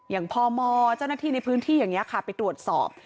อย่างพมจ้านัทธิในพื้นที่อย่างนี้ค่ะไปตรวจสอบ